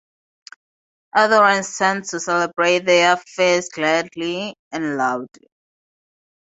Andorrans tend to celebrate their feasts gladly and loudly.